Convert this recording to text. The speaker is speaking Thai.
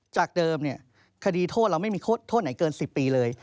จากเดิมคดีโทษเราไม่มีโทษไหนเกิน๑๐ปีเลย